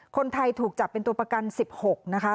คนไทยถูกจับเป็นตัวประกัน๑๖นะคะ